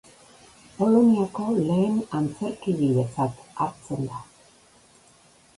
Poloniako lehen antzerkigiletzat hartzen da.